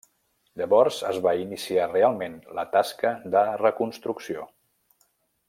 Llavors es va iniciar realment la tasca de reconstrucció.